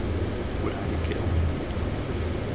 Would I be killed